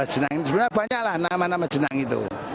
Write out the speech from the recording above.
tujuh belas jenang ini sebenarnya banyak lah nama nama jenang itu